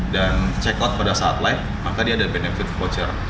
dan check out pada saat live maka dia ada benefit voucher